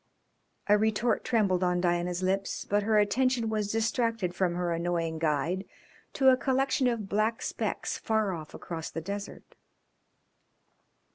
A retort trembled on Diana's lips, but her attention was distracted from her annoying guide to a collection of black specks far off across the desert.